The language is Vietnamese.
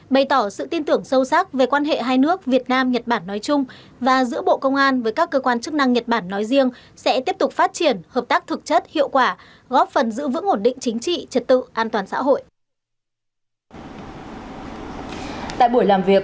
bày tỏ sự tin tưởng sâu sắc về quan hệ hai nước việt nam nhật bản nói chung và giữa bộ công an với các cơ quan chức năng nhật bản nói riêng sẽ tiếp tục phát triển hợp tác thực chất hiệu quả góp phần giữ vững ổn định chính trị trật tự an toàn xã hội